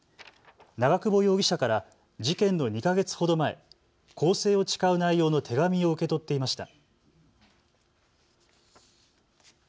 長久保容疑者から事件の２か月ほど前、更生を誓う内容の手紙を受け取っていました。